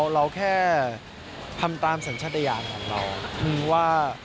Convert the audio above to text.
เราแค่ทำตามสัญชาติยานของเราว่า